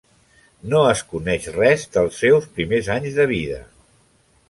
No es coneix res dels seus primers anys de vida.